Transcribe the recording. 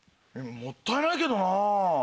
もったいないけどなぁ。